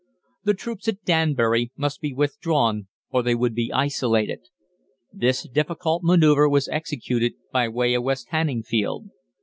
The troops at Danbury must be withdrawn or they would be isolated. This difficult manoeuvre was executed by way of West Hanningfield.